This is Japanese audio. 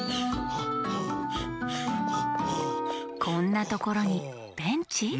こんなところにベンチ？